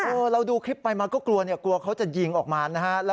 เราดูคลิปไปมาก็กลัวเนี่ยกลัวเขาจะยิงออกมานะฮะ